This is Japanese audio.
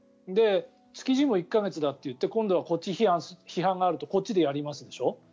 築地も１か月だって言って今度はこっちに批判があるとこっちでやりますでしょ。